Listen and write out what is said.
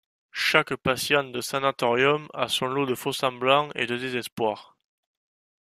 Chaque patient du sanatorium a son lot de faux-semblants et de désespoir.